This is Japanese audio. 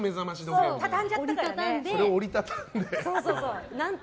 それを折り畳んで。